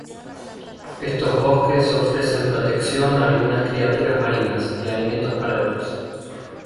Estos bosques ofrecen protección a algunas criaturas marinas, y alimentos para otros.